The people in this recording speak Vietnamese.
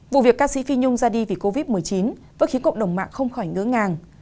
vụ việc ca sĩ phi nhung ra đi vì covid một mươi chín vẫn khiến cộng đồng mạng không khỏi ngỡ ngàng